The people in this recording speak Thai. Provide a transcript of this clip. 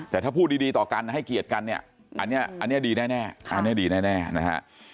แต่ถ้าพูดดีต่อกันให้เกียรติกันเนี่ยอันนี้ดีแน่นะครับ